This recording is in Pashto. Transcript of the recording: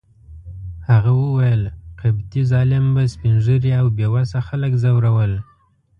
هغه وویل: قبطي ظالم به سپین ږیري او بې وسه خلک ځورول.